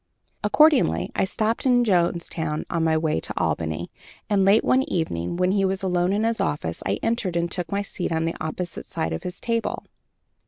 Accordingly, I stopped at Johnstown on my way to Albany, and, late one evening, when he was alone in his office, I entered and took my seat on the opposite side of his table.